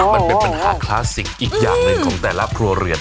มันเป็นปัญหาคลาสสิกอีกอย่างหนึ่งของแต่ละครัวเรือน